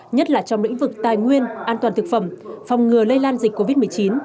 nhất là trong lĩnh vực tài nguyên an toàn thực phẩm phòng ngừa lây lan dịch covid một mươi chín